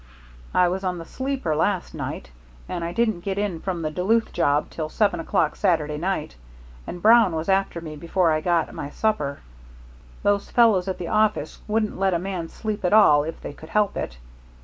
"I was on the sleeper last night; and I didn't get in from the Duluth job till seven o'clock Saturday night, and Brown was after me before I'd got my supper. Those fellows at the office wouldn't let a man sleep at all if they could help it.